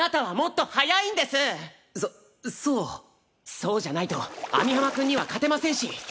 そうじゃないと網浜くんには勝てませんし。